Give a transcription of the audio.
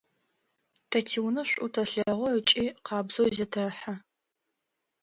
Тэ тиунэ шӏу тэлъэгъу ыкӏи къабзэу зетэхьэ.